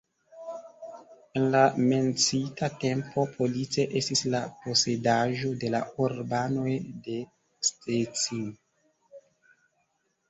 En la menciita tempo Police estis la posedaĵo de la urbanoj de Szczecin.